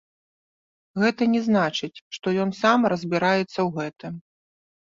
Гэта не значыць, што ён сам разбіраецца ў гэтым.